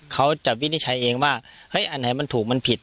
เขาจะวินิจฉัยเองว่าเฮ้ยอันไหนมันถูกมันผิด